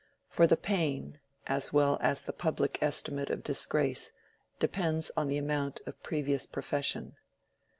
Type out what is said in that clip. For the pain, as well as the public estimate of disgrace, depends on the amount of previous profession.